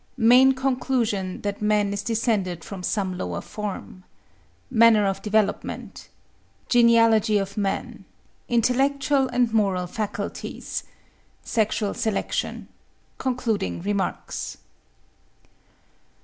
Main conclusion that man is descended from some lower form—Manner of development—Genealogy of man—Intellectual and moral faculties—Sexual Selection—Concluding remarks.